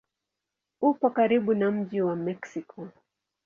Upo karibu na mji wa Meksiko.